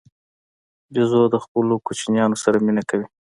بیزو د خپلو کوچنیانو سره مینه کوي.